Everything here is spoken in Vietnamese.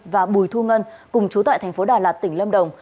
và bùi thu ngân cùng chú tại thành phố đà lạt tỉnh lâm đồng